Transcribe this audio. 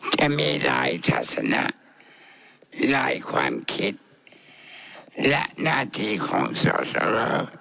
จะมีหลายศาสนะลายความคิดและหน้าที่ของสอสร